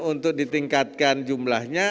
untuk ditingkatkan jumlahnya